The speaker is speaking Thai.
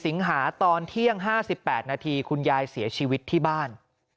สิงหาตอนเที่ยง๕๘นาทีคุณยายเสียชีวิตที่บ้าน